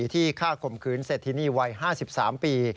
ที่ฆ่ากลมคืนเศษทีนี้วัย๕๓ปี